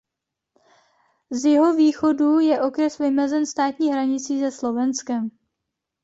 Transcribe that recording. Z jihovýchodu je okres vymezen státní hranicí se Slovenskem.